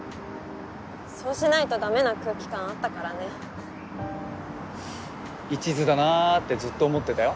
そうしないとダメな空気感あったからねいちずだなってずっと思ってたよ